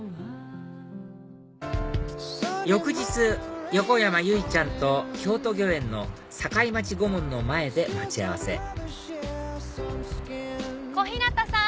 翌日横山由依ちゃんと京都御苑の堺町御門の前で待ち合わせ小日向さん！